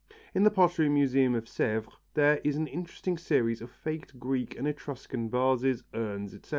In the pottery museum of Sèvres there is an interesting series of faked Greek and Etruscan vases, urns, etc.